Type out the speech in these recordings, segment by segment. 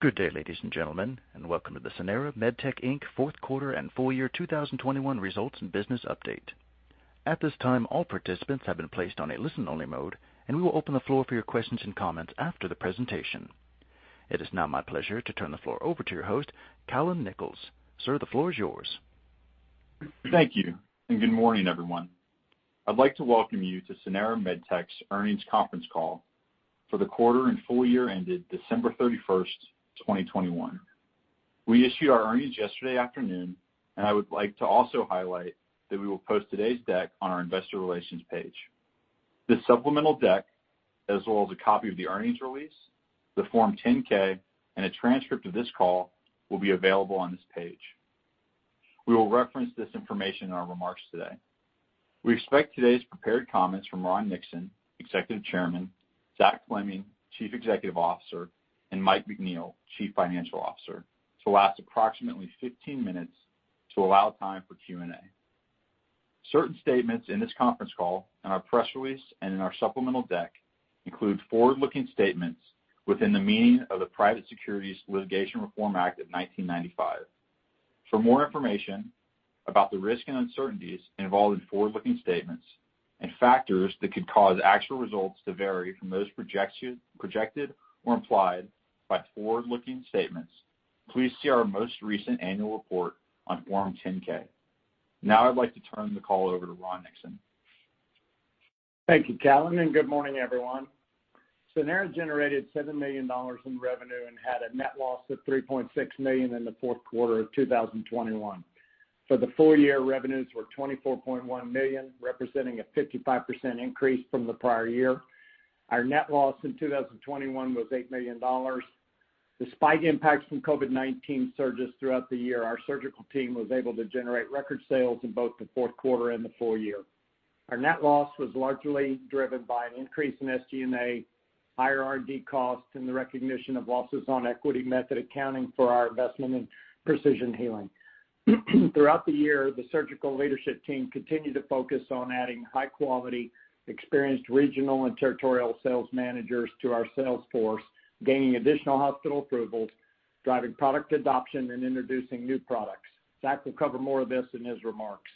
Good day, ladies and gentlemen, and welcome to the Sanara MedTech Inc. fourth quarter and full year 2021 results and business update. At this time, all participants have been placed on a listen-only mode, and we will open the floor for your questions and comments after the presentation. It is now my pleasure to turn the floor over to your host, Callon Nichols. Sir, the floor is yours. Thank you, and good morning, everyone. I'd like to welcome you to Sanara MedTech's earnings conference call for the quarter and full year ended December 31st, 2021. We issued our earnings yesterday afternoon, and I would like to also highlight that we will post today's deck on our investor relations page. This supplemental deck, as well as a copy of the earnings release, the Form 10-K, and a transcript of this call will be available on this page. We will reference this information in our remarks today. We expect today's prepared comments from Ron Nixon, Executive Chairman, Zach Fleming, Chief Executive Officer, and Mike McNeil, Chief Financial Officer, to last approximately 15 minutes to allow time for Q&A. Certain statements in this conference call, in our press release, and in our supplemental deck include forward-looking statements within the meaning of the Private Securities Litigation Reform Act of 1995. For more information about the risk and uncertainties involved in forward-looking statements and factors that could cause actual results to vary from those projected or implied by forward-looking statements, please see our most recent annual report on Form 10-K. Now I'd like to turn the call over to Ron Nixon. Thank you, Callon, and good morning, everyone. Sanara generated $7 million in revenue and had a net loss of $3.6 million in the fourth quarter of 2021. For the full year, revenues were $24.1 million, representing a 55% increase from the prior year. Our net loss in 2021 was $8 million. Despite impacts from COVID-19 surges throughout the year, our surgical team was able to generate record sales in both the fourth quarter and the full year. Our net loss was largely driven by an increase in SG&A, higher R&D costs, and the recognition of losses on equity method accounting for our investment in Precision Healing. Throughout the year, the surgical leadership team continued to focus on adding high-quality, experienced regional and territorial sales managers to our sales force, gaining additional hospital approvals, driving product adoption, and introducing new products. Zach will cover more of this in his remarks.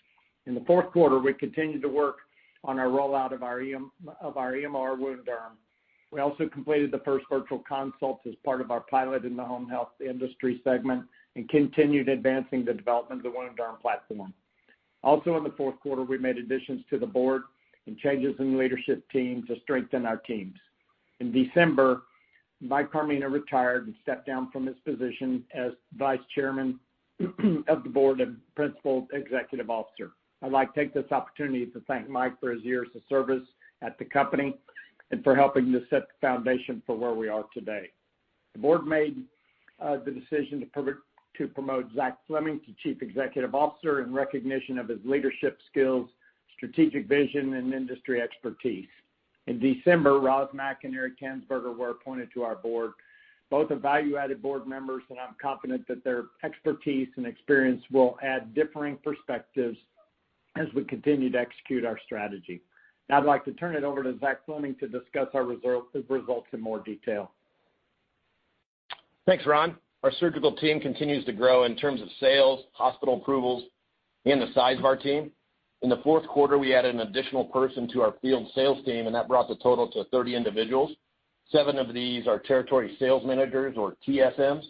In the fourth quarter, we continued to work on our rollout of our EMR, of our EMR WounDerm. We also completed the first virtual consult as part of our pilot in the home health industry segment and continued advancing the development of the WounDerm platform. Also in the fourth quarter, we made additions to the board and changes in leadership team to strengthen our teams. In December, Michael Carmena retired and stepped down from his position as Vice Chairman of the Board and Principal Executive Officer. I'd like to take this opportunity to thank Mike for his years of service at the company and for helping to set the foundation for where we are today. The board made the decision to promote Zach Fleming to Chief Executive Officer in recognition of his leadership skills, strategic vision, and industry expertise. In December, Roz Mac and Eric Tanzberger were appointed to our board, both are value-added board members, and I'm confident that their expertise and experience will add differing perspectives as we continue to execute our strategy. Now I'd like to turn it over to Zach Fleming to discuss our results in more detail. Thanks, Ron. Our surgical team continues to grow in terms of sales, hospital approvals, and the size of our team. In the fourth quarter, we added an additional person to our field sales team, and that brought the total to 30 individuals. Seven of these are territory sales managers or TSMs.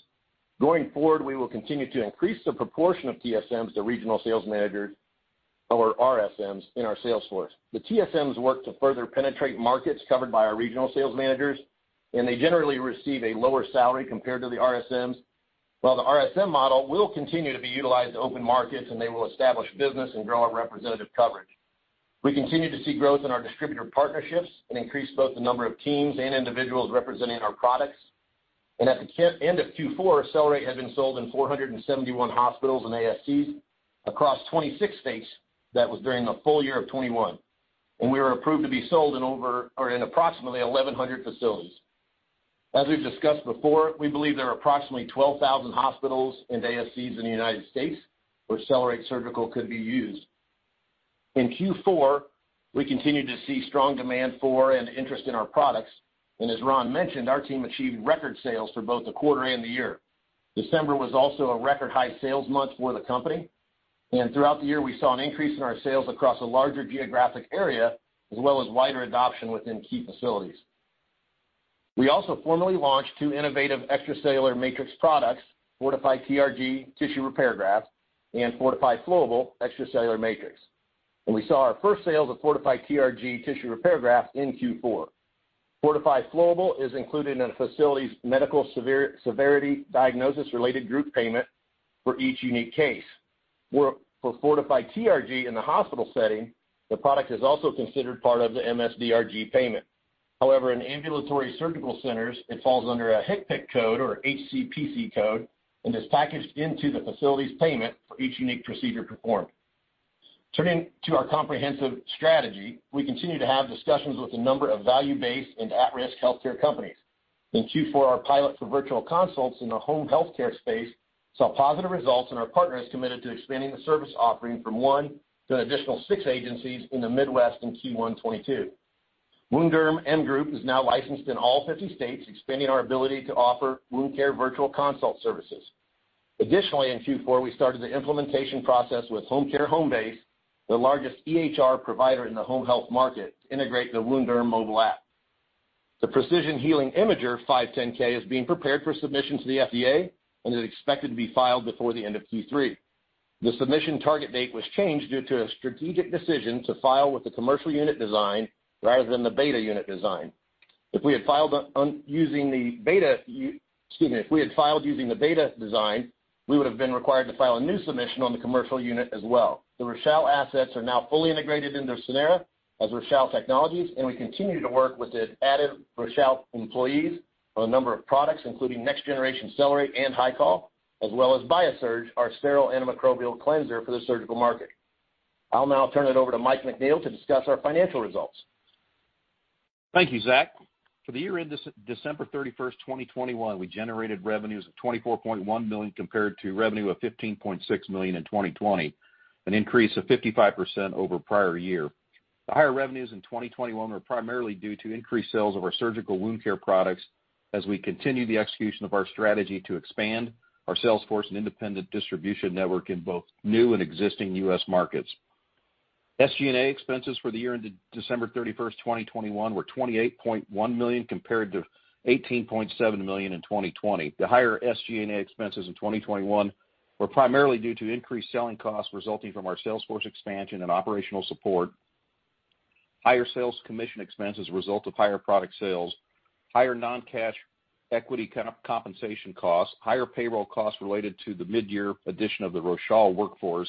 Going forward, we will continue to increase the proportion of TSMs to regional sales managers or RSMs in our sales force. The TSMs work to further penetrate markets covered by our regional sales managers, and they generally receive a lower salary compared to the RSMs, while the RSM model will continue to be utilized to open markets, and they will establish business and grow our representative coverage. We continue to see growth in our distributor partnerships and increase both the number of teams and individuals representing our products. At the end of Q4, CellerateRX had been sold in 471 hospitals and ASCs across 26 states. That was during the full year of 2021. We were approved to be sold in over or in approximately 1,100 facilities. As we've discussed before, we believe there are approximately 12,000 hospitals and ASCs in the United States where CellerateRX Surgical could be used. In Q4, we continued to see strong demand for and interest in our products. As Ron mentioned, our team achieved record sales for both the quarter and the year. December was also a record high sales month for the company. Throughout the year, we saw an increase in our sales across a larger geographic area as well as wider adoption within key facilities. We also formally launched two innovative extracellular matrix products, FORTIFY TRG tissue repair graft and FORTIFY FLOWABLE extracellular matrix. We saw our first sales of FORTIFY TRG tissue repair graft in Q4. FORTIFY FLOWABLE is included in a facility's medical severity diagnosis-related group payment for each unique case. For FORTIFY TRG in the hospital setting, the product is also considered part of the MS-DRG payment. However, in ambulatory surgical centers, it falls under a HCPC code or H-C-P-C code and is packaged into the facility's payment for each unique procedure performed. Turning to our comprehensive strategy, we continue to have discussions with a number of value-based and at-risk healthcare companies. In Q4, our pilot for virtual consults in the home healthcare space saw positive results, and our partner is committed to expanding the service offering from one to an additional six agencies in the Midwest in Q1 2022. WounDerm is now licensed in all 50 states, expanding our ability to offer wound care virtual consult services. Additionally, in Q4, we started the implementation process with Homecare Homebase, the largest EHR provider in the home health market, to integrate the WounDerm mobile app. The Precision Healing Imager 510(k) is being prepared for submission to the FDA and is expected to be filed before the end of Q3. The submission target date was changed due to a strategic decision to file with the commercial unit design rather than the beta unit design. If we had filed using the beta design, we would have been required to file a new submission on the commercial unit as well. The Rochal assets are now fully integrated into Sanara as Rochal Technologies, and we continue to work with the added Rochal employees on a number of products, including next generation CellerateRX and HYCOL, as well as BIASURGE, our sterile antimicrobial cleanser for the surgical market. I'll now turn it over to Mike McNeil to discuss our financial results. Thank you, Zach. For the year end December 31st, 2021, we generated revenues of $24.1 million compared to revenue of $15.6 million in 2020, an increase of 55% over prior year. The higher revenues in 2021 were primarily due to increased sales of our surgical wound care products as we continue the execution of our strategy to expand our sales force and independent distribution network in both new and existing U.S. markets. SG&A expenses for the year ended December 31st, 2021 were $28.1 million, compared to $18.7 million in 2020. The higher SG&A expenses in 2021 were primarily due to increased selling costs resulting from our sales force expansion and operational support, higher sales commission expense as a result of higher product sales, higher non-cash equity compensation costs, higher payroll costs related to the mid-year addition of the Rochal workforce,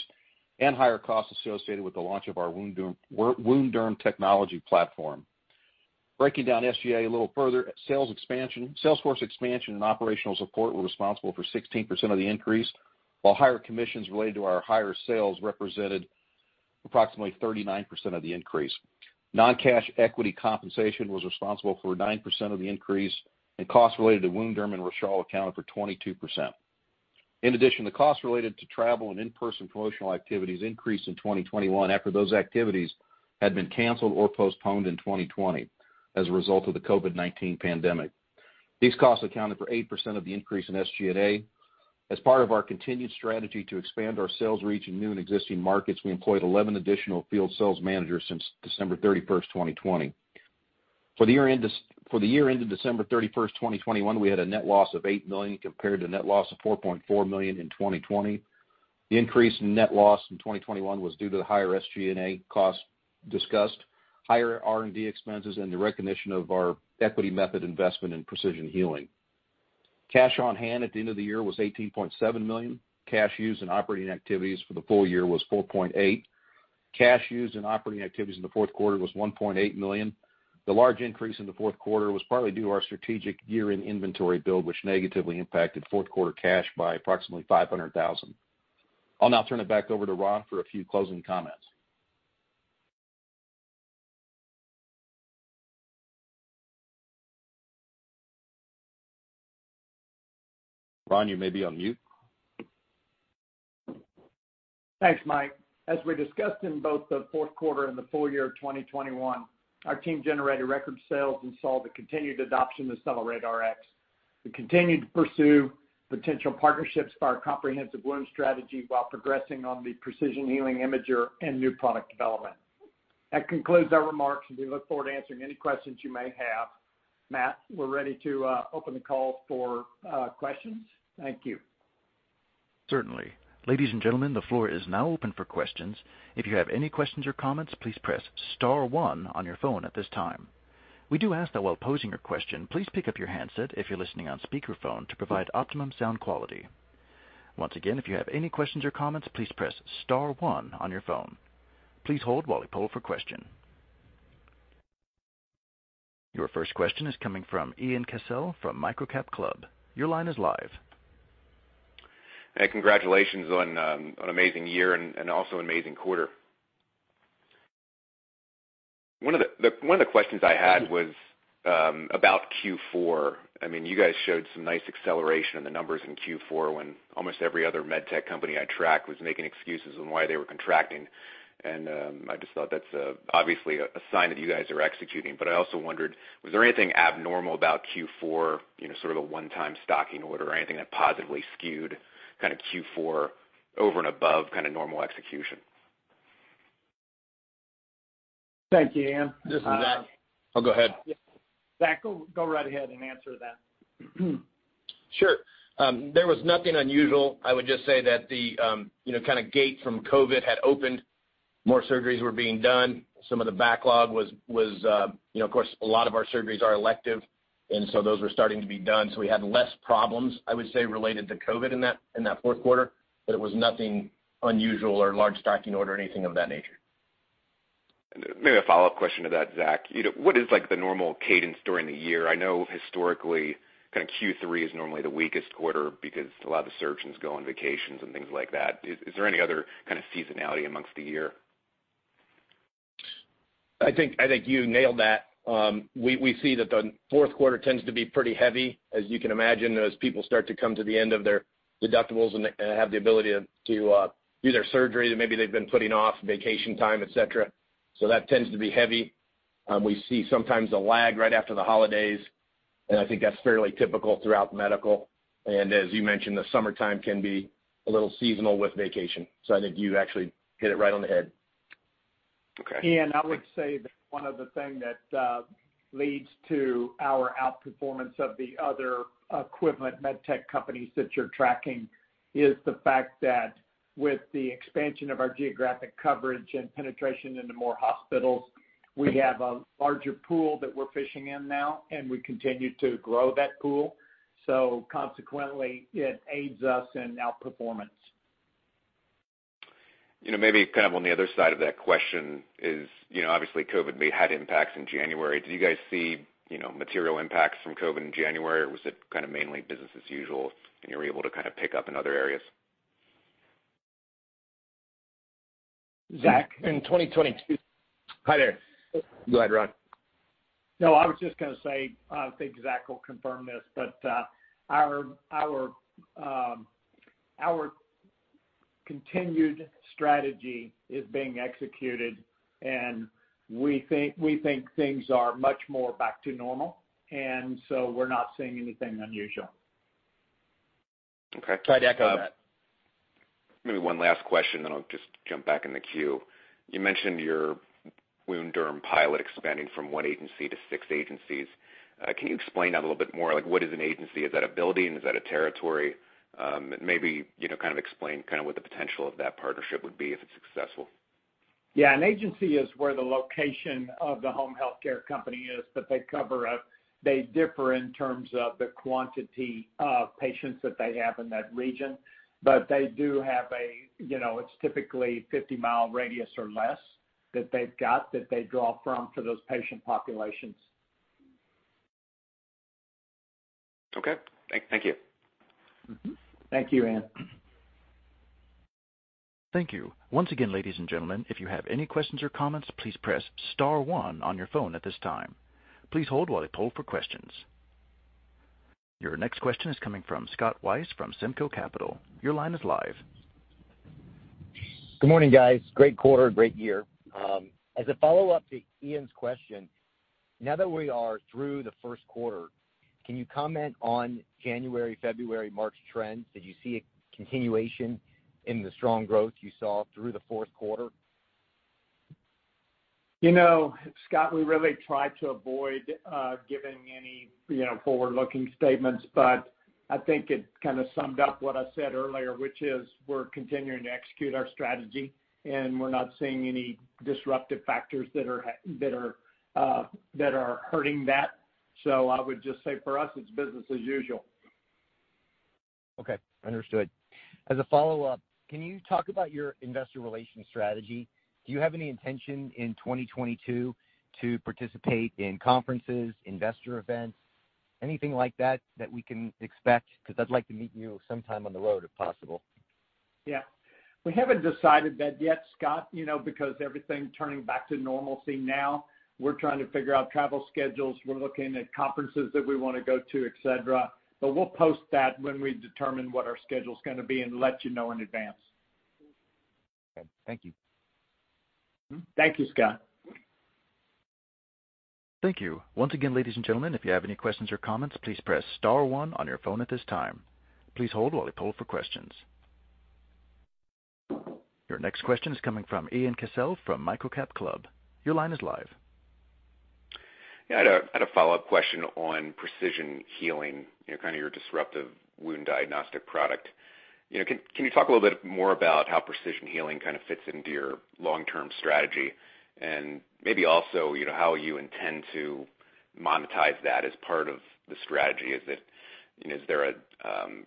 and higher costs associated with the launch of our WounDerm technology platform. Breaking down SG&A a little further, sales force expansion and operational support were responsible for 16% of the increase, while higher commissions related to our higher sales represented approximately 39% of the increase. Non-cash equity compensation was responsible for 9% of the increase, and costs related to WounDerm and Rochal accounted for 22%. In addition, the costs related to travel and in-person promotional activities increased in 2021 after those activities had been canceled or postponed in 2020 as a result of the COVID-19 pandemic. These costs accounted for 8% of the increase in SG&A. As part of our continued strategy to expand our sales reach in new and existing markets, we employed 11 additional field sales managers since December 31st, 2020. For the year ended December 31st, 2021, we had a net loss of $8 million compared to net loss of $4.4 million in 2020. The increase in net loss in 2021 was due to the higher SG&A costs discussed, higher R&D expenses, and the recognition of our equity method investment in Precision Healing. Cash on hand at the end of the year was $18.7 million. Cash used in operating activities for the full year was $4.8 million. Cash used in operating activities in the fourth quarter was $1.8 million. The large increase in the fourth quarter was partly due to our strategic year-end inventory build, which negatively impacted fourth quarter cash by approximately $500 thousand. I'll now turn it back over to Ron for a few closing comments. Ron, you may be on mute. Thanks, Mike. As we discussed in both the fourth quarter and the full year of 2021, our team generated record sales and saw the continued adoption of CellerateRX. We continued to pursue potential partnerships for our comprehensive wound strategy while progressing on the Precision Healing Imager and new product development. That concludes our remarks, and we look forward to answering any questions you may have. Matt, we're ready to open the call for questions. Thank you. Certainly. Ladies and gentlemen, the floor is now open for questions. If you have any questions or comments, please press star one on your phone at this time. We do ask that while posing your question, please pick up your handset if you're listening on speakerphone to provide optimum sound quality. Once again, if you have any questions or comments, please press star one on your phone. Please hold while we poll for question. Your first question is coming from Ian Cassel from MicroCapClub. Your line is live. Hey, congratulations on an amazing year and also an amazing quarter. One of the questions I had was about Q4. I mean, you guys showed some nice acceleration in the numbers in Q4 when almost every other med tech company I track was making excuses on why they were contracting. I just thought that's obviously a sign that you guys are executing. I also wondered, was there anything abnormal about Q4, you know, sort of a one-time stocking order or anything that positively skewed kind of Q4 over and above kind of normal execution? Thank you, Ian. This is Zach. I'll go ahead. Zach, go right ahead and answer that. Sure. There was nothing unusual. I would just say that the, you know, kind of gate from COVID had opened. More surgeries were being done. Some of the backlog was, you know, of course, a lot of our surgeries are elective, and so those were starting to be done. So we had less problems, I would say, related to COVID in that fourth quarter. It was nothing unusual or large stocking order or anything of that nature. Maybe a follow-up question to that, Zach. You know, what is like the normal cadence during the year? I know historically kind of Q3 is normally the weakest quarter because a lot of the surgeons go on vacations and things like that. Is there any other kind of seasonality among the year? I think you nailed that. We see that the fourth quarter tends to be pretty heavy, as you can imagine, as people start to come to the end of their deductibles and have the ability to do their surgery that maybe they've been putting off, vacation time, et cetera. So that tends to be heavy. We see sometimes a lag right after the holidays. I think that's fairly typical throughout medical. As you mentioned, the summertime can be a little seasonal with vacation. I think you actually hit it right on the head. Okay. Ian, I would say that one of the thing that leads to our outperformance of the other equivalent med tech companies that you're tracking is the fact that with the expansion of our geographic coverage and penetration into more hospitals, we have a larger pool that we're fishing in now, and we continue to grow that pool. Consequently, it aids us in outperformance. You know, maybe kind of on the other side of that question is, you know, obviously, COVID may had impacts in January. Do you guys see, you know, material impacts from COVID in January, or was it kinda mainly business as usual, and you were able to kind of pick up in other areas? Zach, in 2022- Hi there. Go ahead, Ron. No, I was just gonna say, I think Zach will confirm this, but, our continued strategy is being executed, and we think things are much more back to normal. We're not seeing anything unusual. Okay. Try to echo that. Maybe one last question, then I'll just jump back in the queue. You mentioned your WoundDerm pilot expanding from one agency to six agencies. Can you explain that a little bit more? Like, what is an agency? Is that a building? Is that a territory? Maybe, you know, kind of explain kinda what the potential of that partnership would be if it's successful. Yeah. An agency is where the location of the home healthcare company is, but they cover up. They differ in terms of the quantity of patients that they have in that region, but they do have a, you know, it's typically 50-mile radius or less that they've got that they draw from for those patient populations. Okay. Thank you. Mm-hmm. Thank you, Ian. Thank you. Once again, ladies and gentlemen, if you have any questions or comments, please press star one on your phone at this time. Please hold while we poll for questions. Your next question is coming from Scott Weis from Semco Capital. Your line is live. Good morning, guys. Great quarter, great year. As a follow-up to Ian's question, now that we are through the first quarter, can you comment on January, February, March trends? Did you see a continuation in the strong growth you saw through the fourth quarter? You know, Scott, we really try to avoid giving any, you know, forward-looking statements, but I think it kinda summed up what I said earlier, which is we're continuing to execute our strategy, and we're not seeing any disruptive factors that are hurting that. I would just say for us, it's business as usual. Okay. Understood. As a follow-up, can you talk about your investor relations strategy? Do you have any intention in 2022 to participate in conferences, investor events, anything like that we can expect, 'cause I'd like to meet you sometime on the road, if possible. Yeah. We haven't decided that yet, Scott, you know, because everything turning back to normalcy now, we're trying to figure out travel schedules. We're looking at conferences that we wanna go to, et cetera. We'll post that when we determine what our schedule's gonna be and let you know in advance. Okay. Thank you. Thank you, Scott. Thank you. Once again, ladies and gentlemen, if you have any questions or comments, please press star one on your phone at this time. Please hold while we poll for questions. Your next question is coming from Ian Cassel from MicroCapClub. Your line is live. Yeah. I had a follow-up question on Precision Healing, you know, kinda your disruptive wound diagnostic product. You know, can you talk a little bit more about how Precision Healing kinda fits into your long-term strategy? And maybe also, you know, how you intend to monetize that as part of the strategy. Is there a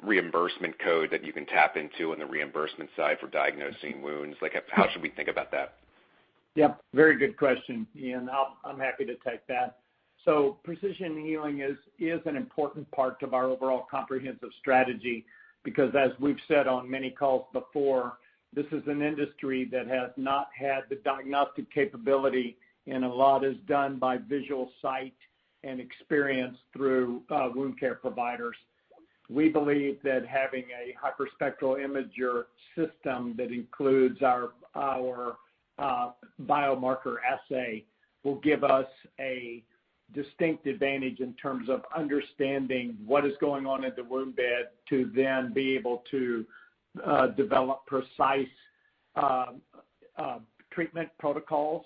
reimbursement code that you can tap into in the reimbursement side for diagnosing wounds? Like how should we think about that? Yep. Very good question, Ian. I'm happy to take that. Precision Healing is an important part of our overall comprehensive strategy because as we've said on many calls before, this is an industry that has not had the diagnostic capability, and a lot is done by visual sight and experience through wound care providers. We believe that having a multispectral imager system that includes our biomarker assay will give us a distinct advantage in terms of understanding what is going on in the wound bed to then be able to develop precise treatment protocols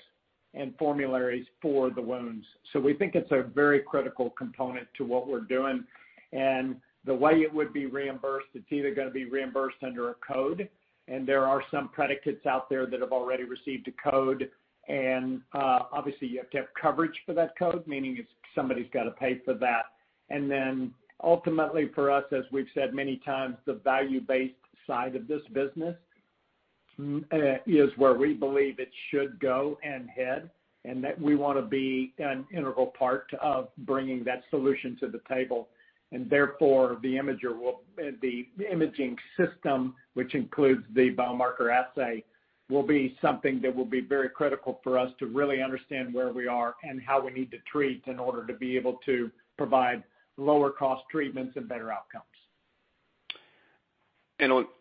and formularies for the wounds. We think it's a very critical component to what we're doing. The way it would be reimbursed, it's either gonna be reimbursed under a code, and there are some predicates out there that have already received a code. Obviously, you have to have coverage for that code, meaning it's somebody's gotta pay for that. Ultimately, for us, as we've said many times, the value-based side of this business is where we believe it should go and head, and that we wanna be an integral part of bringing that solution to the table. The imaging system, which includes the biomarker assay, will be something that will be very critical for us to really understand where we are and how we need to treat in order to be able to provide lower cost treatments and better outcomes.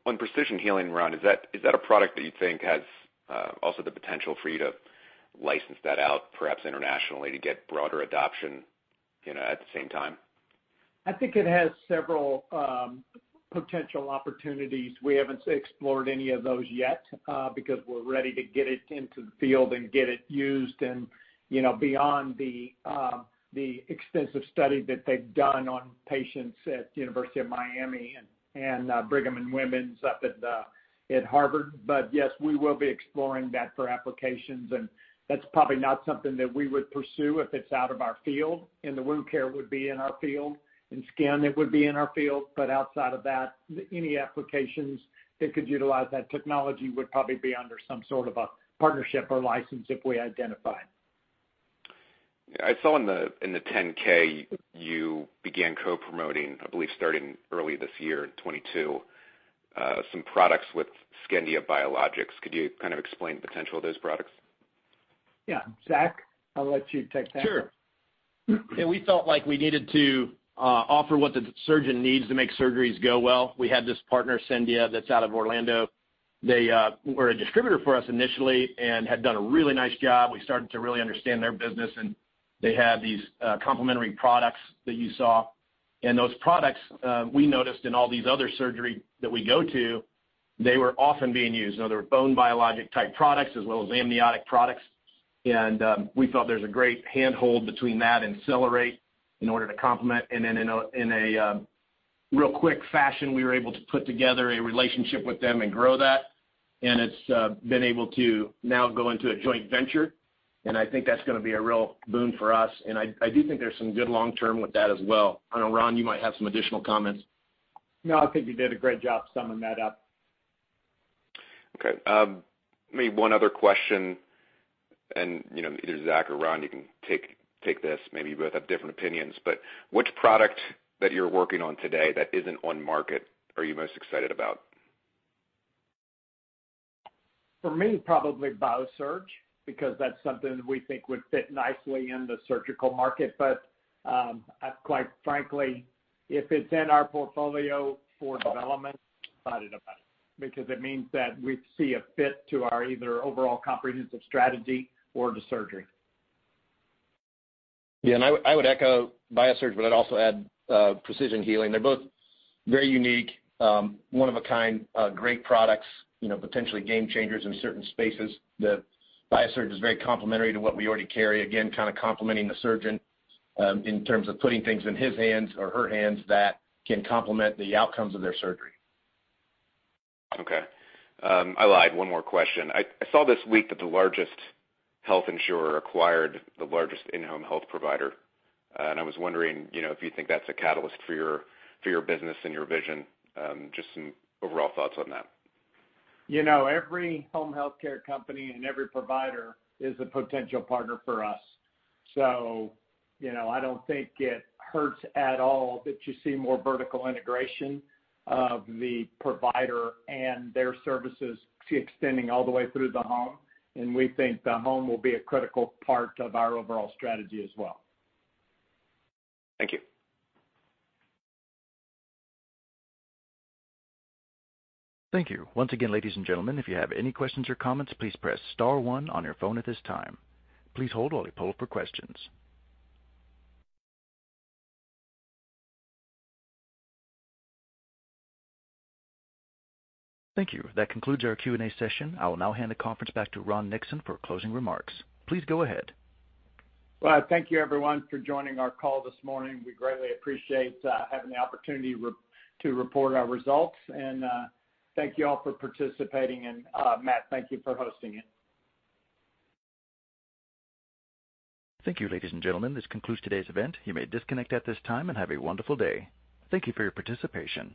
On Precision Healing, Ron, is that a product that you think has also the potential for you to license that out perhaps internationally to get broader adoption, you know, at the same time? I think it has several potential opportunities. We haven't explored any of those yet because we're ready to get it into the field and get it used and, you know, beyond the extensive study that they've done on patients at University of Miami and Brigham and Women's up at Harvard. Yes, we will be exploring that for applications, and that's probably not something that we would pursue if it's out of our field, and the wound care would be in our field, and skin, it would be in our field. Outside of that, any applications that could utilize that technology would probably be under some sort of a partnership or license if we identify it. Yeah. I saw in the 10-K you began co-promoting, I believe, starting early this year in 2022, some products with Scendia Biologics. Could you kind of explain the potential of those products? Yeah. Zach, I'll let you take that. Sure. Yeah, we felt like we needed to offer what the surgeon needs to make surgeries go well. We had this partner, Scendia, that's out of Orlando. They were a distributor for us initially and had done a really nice job. We started to really understand their business, and they have these complementary products that you saw. Those products we noticed in all these other surgeries that we go to, they were often being used. Now they're bone biologic-type products as well as amniotic products. We thought there's a great handhold between that and Cellerate in order to complement. Then in a real quick fashion, we were able to put together a relationship with them and grow that. It's been able to now go into a joint venture, and I think that's gonna be a real boon for us. I do think there's some good long term with that as well. I don't know, Ron, you might have some additional comments. No, I think you did a great job summing that up. Okay. Maybe one other question, and, you know, either Zach or Ron, you can take this. Maybe you both have different opinions. Which product that you're working on today that isn't on market are you most excited about? For me, probably BIASURGE, because that's something we think would fit nicely in the surgical market. Quite frankly, if it's in our portfolio for development, I'm excited about it, because it means that we see a fit to our either overall comprehensive strategy or to surgery. Yeah, I would echo BIASURGE, but I'd also add Precision Healing. They're both very unique, one of a kind, great products, you know, potentially game changers in certain spaces. The BIASURGE is very complementary to what we already carry, again, kind of complementing the surgeon, in terms of putting things in his hands or her hands that can complement the outcomes of their surgery. Okay. I lied. One more question. I saw this week that the largest health insurer acquired the largest in-home health provider. I was wondering, you know, if you think that's a catalyst for your business and your vision. Just some overall thoughts on that. You know, every home healthcare company and every provider is a potential partner for us. You know, I don't think it hurts at all that you see more vertical integration of the provider and their services to extending all the way through the home, and we think the home will be a critical part of our overall strategy as well. Thank you. Thank you. Once again, ladies and gentlemen, if you have any questions or comments, please press star one on your phone at this time. Please hold while we poll for questions. Thank you. That concludes our Q&A session. I will now hand the conference back to Ron Nixon for closing remarks. Please go ahead. Well, thank you everyone for joining our call this morning. We greatly appreciate having the opportunity to report our results. Thank you all for participating. Matt, thank you for hosting it. Thank you, ladies and gentlemen. This concludes today's event. You may disconnect at this time, and have a wonderful day. Thank you for your participation.